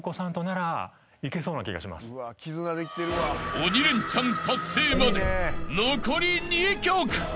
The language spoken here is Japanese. ［鬼レンチャン達成まで残り２曲］